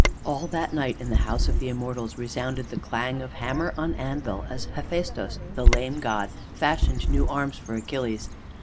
All that night, in the house of the Immortals, resounded the clang of hammer on anvil as Hephaistus, the lame god, fashioned new arms for Achilles.